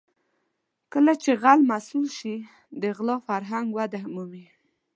کله چې غل مسوول شي د غلا فرهنګ وده مومي.